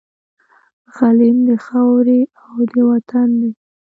غلیم د خاوري او د وطن دی